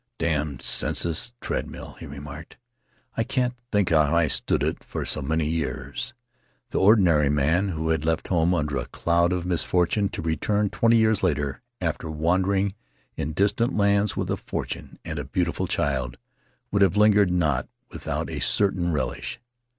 'Damned senseless treadmill,' he remarked; 'I can't think how I stood it so many years.' The ordinary man, who had left home under a cloud of misfortune to return twenty years later, after wander ings in distant lands, with a fortune and a beautiful child, would have lingered not without a certain relish.